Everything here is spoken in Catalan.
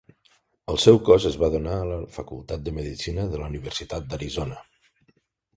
El seu cos es va donar a la facultat de medicina de la Universitat d'Arizona.